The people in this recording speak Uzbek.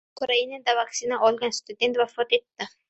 Ukrainada vaksina olgan student vafot etdi